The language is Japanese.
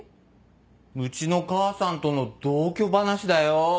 うちの母さんとの同居話だよ。